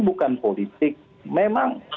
bukan politik memang